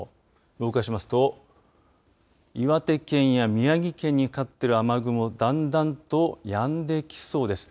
動かしますと岩手県や宮城県にかかっている雨雲だんだんとやんできそうです。